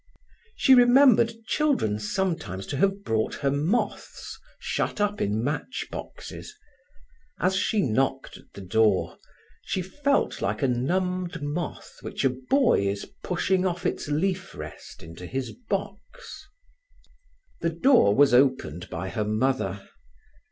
She remembered children sometimes to have brought her moths shut up in matchboxes. As she knocked at the door she felt like a numbed moth which a boy is pushing off its leaf rest into his box. The door was opened by her mother.